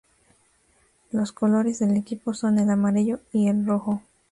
Los colores del equipo son el amarillo y el rojo.